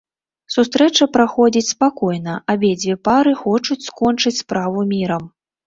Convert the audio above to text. Сустрэча праходзіць спакойна, абедзве пары хочуць скончыць справу мірам.